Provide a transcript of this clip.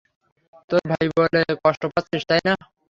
তোর ভাই বলে কষ্ট পাচ্ছিস, তাই না?